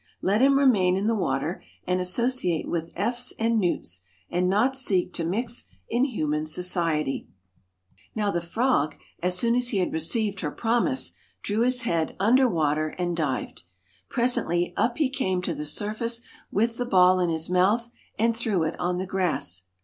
Let him remain in the water and associate with efts and newts, and not seek to mix in human society.' 229 THE Now the frog, as soon as he had received her PRINPR promise, drew his head under water, and dived. W ^ B Presently up he came to the surface with the ball in his mouth, and threw it on the grass.